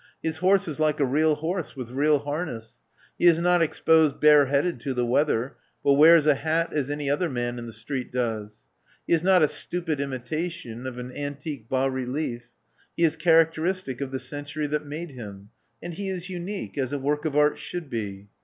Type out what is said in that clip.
His horse is like a real horse, with real harness. He is not exposed bareheaded to the weather, but wears a hat as any other man in the street does. He is not a stupid imitation of an antique bas relief. He is characteristic of the century that made him; and he is unique, as a work of art should be.